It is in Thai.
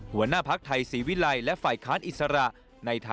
หัวหน้าภักดิ์ไทยศรีวิลัยและฝ่ายค้านอิสระ